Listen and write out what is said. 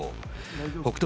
北勝